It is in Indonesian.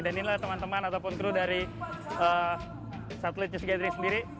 dan inilah teman teman ataupun kru dari satelit news gathering sendiri